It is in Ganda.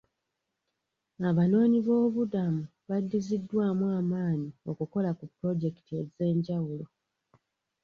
Abanoonyi b'obubuddamu badiziddwaamu amaanyi okukola ku pulojekiti ez'enjawulo.